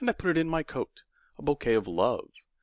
put it in my coat,A bouquet of Love!